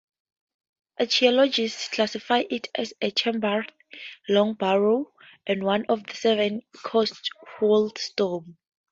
Archaeologists classify it as a chambered long barrow and one of the Severn-Cotswold tombs.